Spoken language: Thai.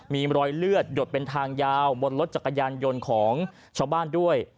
มีรอยเลือดหยดเป็นทางยาวบนรถจักรยานยนต์ของชาวบ้านด้วย